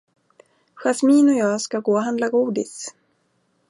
Jasmine och jag ska gå och handla godis.